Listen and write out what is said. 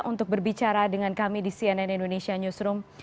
untuk berbicara dengan kami di cnn indonesia newsroom